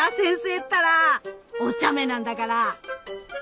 ったらおちゃめなんだから！